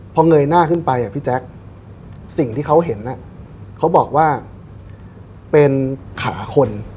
พอเงยหน้าขึ้นไปพี่แจ๊คสิ่งที่เขาเห็นเขาบอกว่าเป็นขาคน